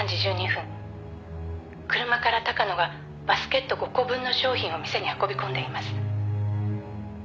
「車から高野がバスケット５個分の商品を店に運び込んでいます」